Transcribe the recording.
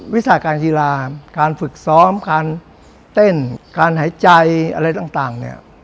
วิชาการกีฬาการฝึกซ้อมการเต้นการหายใจอะไรต่างเนี่ย